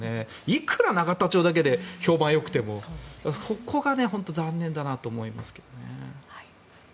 いくら永田町だけで評判がよくてもそこが本当に残念だなと思いますけどね。